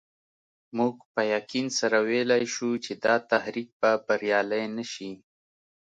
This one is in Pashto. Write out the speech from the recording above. موږ په یقین سره ویلای شو چې دا تحریک به بریالی نه شي.